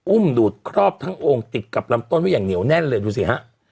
ดูดครอบทั้งองค์ติดกับลำต้นไว้อย่างเหนียวแน่นเลยดูสิฮะ